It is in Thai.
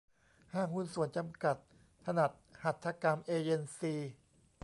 ห้างหุ้นส่วนจำกัด ถนัดหัตถกรรมเอเยนซี